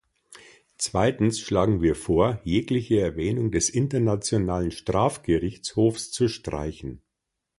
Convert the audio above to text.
Zweitens schlagen wir vor, jegliche Erwähnung des Internationalen Strafgerichtshofs zu streichen.